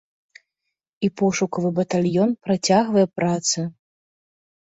І пошукавы батальён працягвае працы.